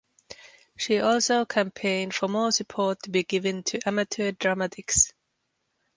She also campaigned for more support to be given to amateur dramatics.